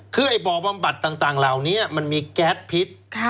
คือไอ้บ่อบำบัดต่างเหล่านี้มันมีแก๊สพิษ